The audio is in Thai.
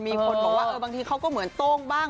มีคนบอกบ้างตีเขาเหมือนตุ้งบ้าง